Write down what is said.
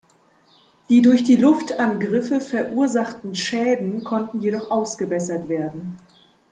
Die durch die Luftangriffe verursachten Schäden konnten jedoch ausgebessert werden.